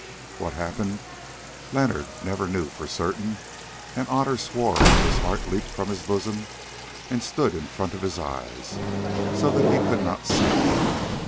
What happened? Leonard never knew for certain, and Otter swore that his heart leaped from his bosom and stood in front of his eyes so that he could not see.